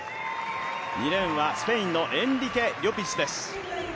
２レーンはスペインのエンリケ・リョピスです。